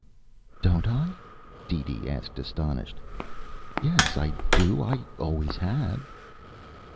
"Don't I?" DeeDee asked, astonished. "Yes, I do. I always have."